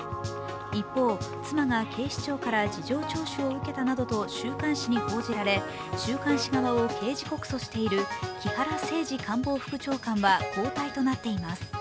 一方、妻が警視庁から事情聴取を受けたなどと週刊紙に報じられ、週刊誌側を刑事告訴している木原誠二官房副長官は交代となっています。